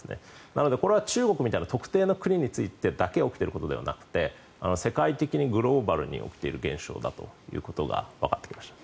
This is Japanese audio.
なので、これは中国みたいな特定の国についてだけ起きていることではなくて世界的にグローバルに起きている現状だということがわかってきました。